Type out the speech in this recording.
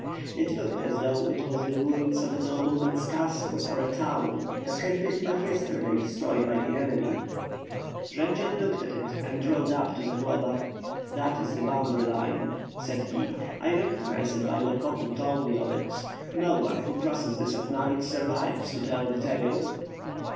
It looked as though it was the ruins of a nobleman's castle or a town that had been but yesterday destroyed by the enemy. WITH FIRE AND SWORD, 653 Jendzian looked at it and rode up to Zagloba. "That is the boundary line," said he. "I recognize it by what Bohun told me of it. No one who crosses this at night survives to tell the tale."